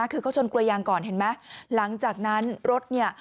คือเขาชนกลัวยางก่อนเห็นไหมหลังจากนั้นรถเนี่ย